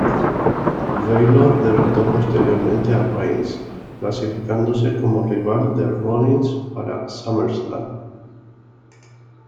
Bálor derrotó posteriormente a Reigns, clasificándose como rival de Rollins para SummerSlam.